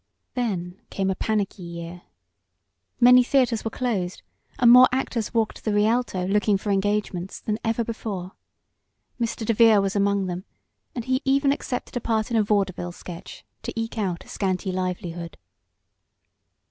Then came a panicky year. Many theaters were closed, and more actors "walked the Rialto" looking for engagements than ever before. Mr. DeVere was among them, and he even accepted a part in a vaudeville sketch to eke out a scanty livelihood.